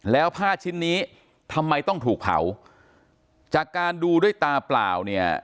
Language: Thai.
แล้วผ้าชิ้นนี้ทำไมต้องถูกเผาจากการดูด้วยตาเปล่าเนี่ย